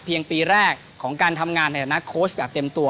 ปีแรกของการทำงานในฐานะโค้ชแบบเต็มตัว